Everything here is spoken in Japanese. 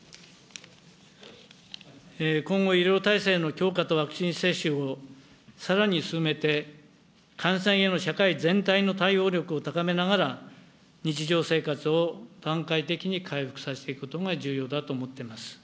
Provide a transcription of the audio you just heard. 今後、医療体制の強化とワクチン接種をさらに進めて、感染への社会全体の対応力を高めながら、日常生活を段階的に回復させていくことが重要だと思っています。